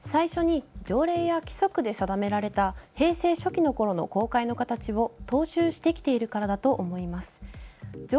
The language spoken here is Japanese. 最初に条例や規則で定められた平成初期のころの公開の形を踏襲してきているからだと思います。